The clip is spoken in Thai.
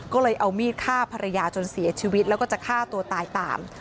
ก็เลยเอามีดฆ่าภรรยาจนเสียชีวิตแล้วก็จะฆ่าตัวตายตาม